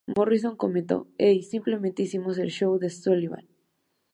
Morrison comentó, "Hey, simplemente "hicimos" el show de Sullivan".